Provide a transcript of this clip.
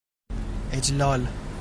اِجلال